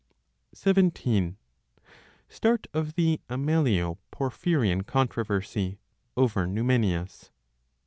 XVII. START OF THE AMELIO PORPHYRIAN CONTROVERSY, OVER NUMENIUS.